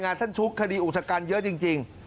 ท่านชุกคดีอุชกันเยอะจริง